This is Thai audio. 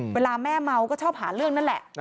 เวลาแม่เมาก็ชอบหาเรื่องนั่นแหละ